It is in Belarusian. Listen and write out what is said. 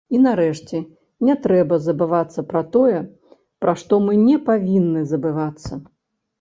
І, нарэшце, не трэба забывацца пра тое, пра што мы не павінны забывацца.